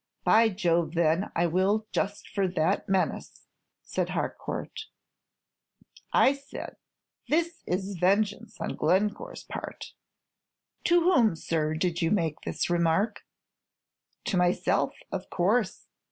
"By Jove! then, I will, just for that menace," said Harcourt. "I said, 'This is vengeance on Glencore's part.'" "To whom, sir, did you make this remark?" "To myself, of course.